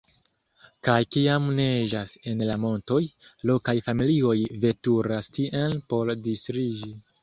Kaj kiam neĝas en la montoj, lokaj familioj veturas tien por distriĝi.